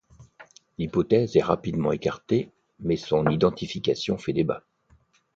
L'hypothèse est rapidement écartée mais son identification fait débat.